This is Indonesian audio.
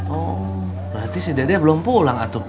oh berarti si dadah belum pulang atuh